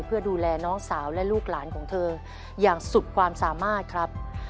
เพื่อดูแลน้องสาวและลูกหลานของเธออย่างสุดความสามารถครับ